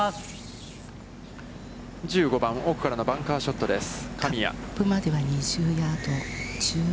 １５番、奥からのバンカーショットです、神谷。